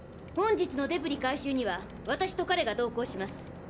本日のデブリ回収には私と彼が同行します。